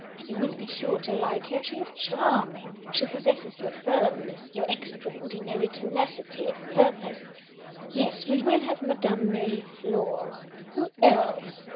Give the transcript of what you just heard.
You would be sure to like her she is charming; she possesses your firmness, your extraordinary tenacity of purpose. Yes, we will have Madame Mirliflore. Who else?